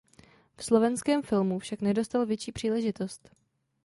V slovenském filmu však nedostal větší příležitost.